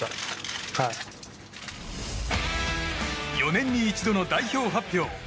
４年に一度の代表発表。